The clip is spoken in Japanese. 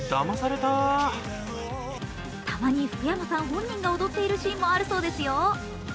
たまに福山さん本人が踊っているシーンもあるそうですよ。